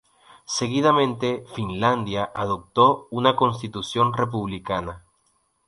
Seguidamente Finlandia adoptó una constitución republicana.